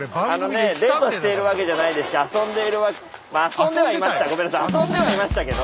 あのねデートしているわけじゃないですし遊んでいるわけまあ遊んではいました。